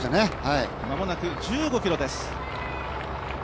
間もなく１５ｋｍです。